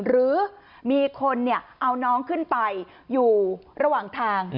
หรือมีคนเอาน้องขึ้นไปอยู่ระหว่างทาง